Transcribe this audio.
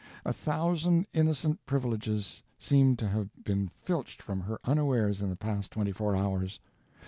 A thousand innocent privileges seemed to have been filched from her unawares in the past twenty four hours.